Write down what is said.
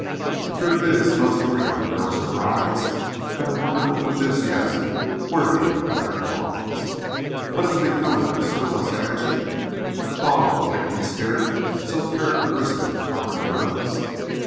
The truth is most of our young girls or brides have a wonderful enthusiasm worthy of a better cause. What is to become of their surplus energy, the bottled lightning spirit so characteristic of modern girls?